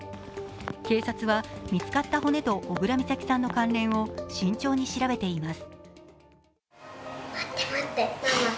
警察は、見つかった骨と小倉美咲さんとの関連を慎重に調べています。